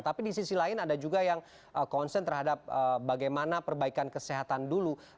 tapi di sisi lain ada juga yang concern terhadap bagaimana perbaikan kesehatan dulu